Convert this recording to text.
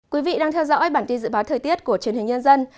quý vị đang theo dõi bản tin dự báo thời tiết của truyền hình nhân dân